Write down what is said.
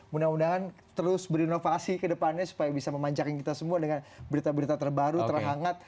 mudah mudahan terus berinovasi ke depannya supaya bisa memanjakan kita semua dengan berita berita terbaru terhangat